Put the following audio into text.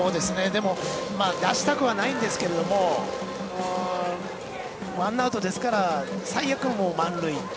でも、出したくはないんですけどワンアウトですから最悪、満塁。